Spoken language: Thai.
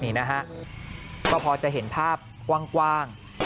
นี่นะฮะก็พอจะเห็นภาพกว้าง